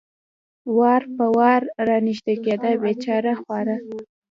وار په وار را نږدې کېده، بېچاره خورا.